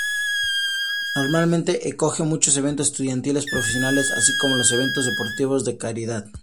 Normalmente acoge muchos eventos estudiantiles, profesionales, así como los eventos deportivos de caridad.